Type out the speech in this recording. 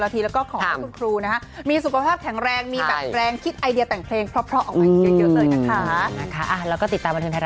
ปีที่๘๕๘๖๘๗